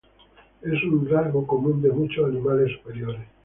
Es un rasgo común de muchos animales superiores.